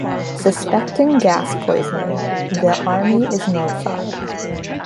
Suspecting gas poisoning, the army is notified.